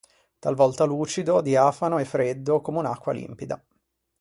Talvolta lucido, diafano e freddo come un'acqua limpida.